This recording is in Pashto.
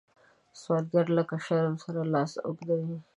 سوالګر له شرم سره لاس اوږدوي